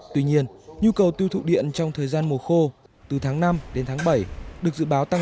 tuy nhiên nhu cầu tiêu thụ điện trong thời gian mùa khô từ tháng năm đến tháng bảy được dự báo tăng